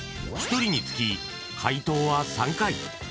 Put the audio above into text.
［１人につき解答は３回］